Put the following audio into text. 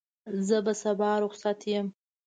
زه به سبا رخصت یم.